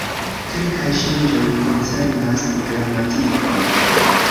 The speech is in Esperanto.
Kelkaj ŝanĝoj koncernas gramatikon.